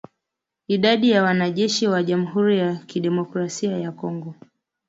Idadi ya wanajeshi wa Jamhuri ya kidemokrasia ya Kongo